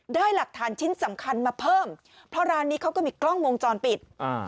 ได้หลักฐานชิ้นสำคัญมาเพิ่มเพราะร้านนี้เขาก็มีกล้องวงจรปิดอ่า